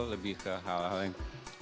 lebih ke hal hal yang